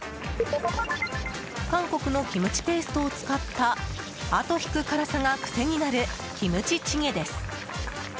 韓国のキムチペーストを使ったあとひく辛さが癖になるキムチチゲです。